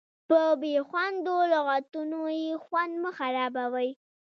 په بې خوندو لغتونو یې خوند مه خرابوئ.